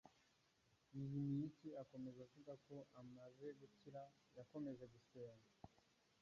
Bihimiyiki akomeza avuga ko amaze gukira yakomeje gusenga